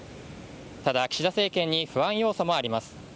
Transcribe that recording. ただ、岸田政権に不安要素もあります。